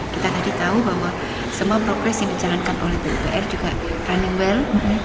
kita tadi tahu bahwa semua progres yang dijalankan oleh pupr juga running well